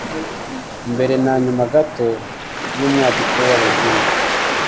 mbere na nyuma gato y’umwaduko w’abazungu.